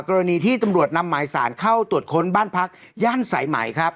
กรณีที่ตำรวจนำหมายสารเข้าตรวจค้นบ้านพักย่านสายไหมครับ